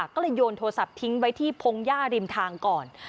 ก็เลยโยนโทรศัพท์ทิ้งไว้ที่พงหญ้าริมทางก่อน